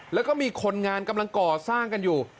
แล้วก็มีคนงานกำลังก่อสร้างกันอยู่